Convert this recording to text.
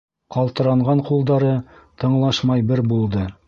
Ҡалтыранған ҡулдары тыңлашмай бер булды.